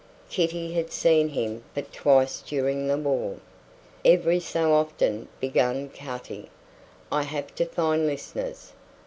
Kitty had seen him but twice during the war. "Every so often," began Cutty, "I have to find listeners.